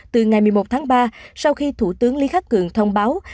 từ ngày một mươi một tháng ba sau khi thủ tướng lý khắc cường thông báo